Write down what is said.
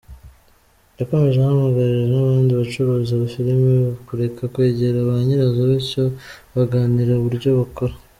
Yakomeje ahamagarira n’abandi bacuruza filime kureka kwegera ba nyirazo bityo baganire uburyo bakora.